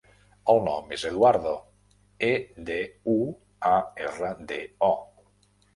El nom és Eduardo: e, de, u, a, erra, de, o.